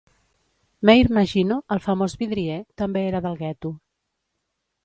Meir Magino, el famós vidrier, també era del gueto.